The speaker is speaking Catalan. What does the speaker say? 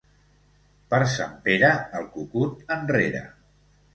Per Sant Pere, el cucut enrere.